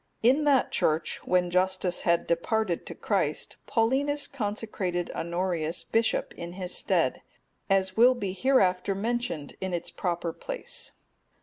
In that church, when Justus had departed to Christ, Paulinus consecrated Honorius bishop in his stead, as will be hereafter mentioned in its proper place.